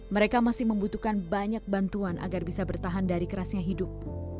mereka masih membutuhkan banyak bantuan agar bisa bertahan dari kerasnya hidup